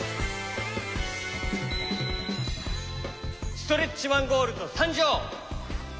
ストレッチマン・ゴールドさんじょう！